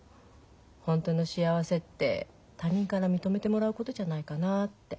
ホントの幸せって他人から認めてもらうことじゃないかなって。